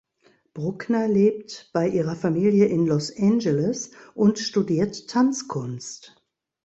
Bruckner lebt bei ihrer Familie in Los Angeles und studiert Tanzkunst.